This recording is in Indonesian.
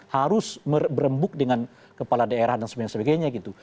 harus berembuk dengan kepala daerah dan sebagainya gitu